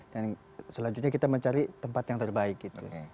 dan selanjutnya kita mencari tempat yang terbaik gitu